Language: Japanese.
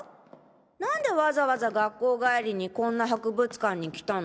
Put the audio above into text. なんでわざわざ学校帰りにこんな博物館に来たの？